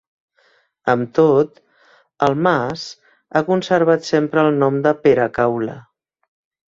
Amb tot, el mas ha conservat sempre el nom de Peracaula.